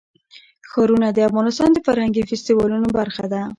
ښارونه د افغانستان د فرهنګي فستیوالونو برخه ده.